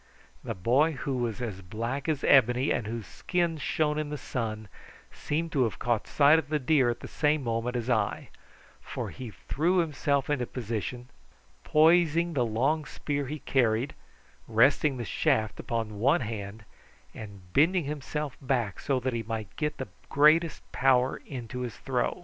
The boy, who was as black as ebony and whose skin shone in the sun, seemed to have caught sight of the deer at the same moment as I, for he threw himself into position, poising the long spear he carried, resting the shaft upon one hand and bending himself back so that he might get the greatest power into his throw.